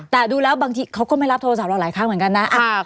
แต่ดูแล้วบางทีเขาก็ไม่รับโทรศัพท์เราหลายครั้งเหมือนกันนะ